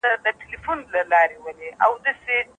دې کیسې زما په زړه کې د بښنې نوې هیلې پیدا کړې.